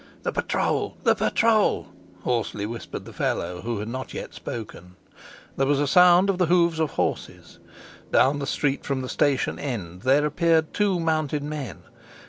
"The patrol! the patrol!" hoarsely whispered the fellow who had not yet spoken. There was a sound of the hoofs of horses. Down the street from the station end there appeared two mounted men.